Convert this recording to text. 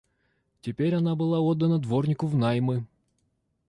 Теперь она была отдана дворнику внаймы.